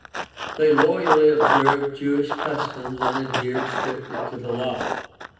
They loyally observed Jewish customs and adhered strictly to the Law.